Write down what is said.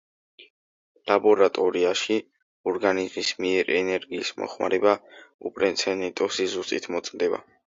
ლაბორატორიაში ორგანიზმის მიერ ენერგიის მოხმარება უპრეცედენტო სიზუსტით მოწმდება.